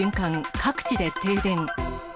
各地で停電。